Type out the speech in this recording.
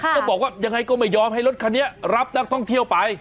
ก็บอกว่ายังไงก็ไม่ยอมให้รถคันนี้รับนักท่องเที่ยวไป